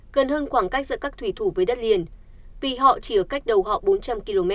gần hơn khoảng cách giữa các thủy thủ với đất liền vì họ chỉ ở cách đầu họ bốn trăm linh km